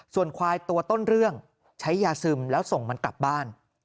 ส่วนควายตัวต้นเรื่องใช้ยาซึมแล้วส่งมันกลับบ้าน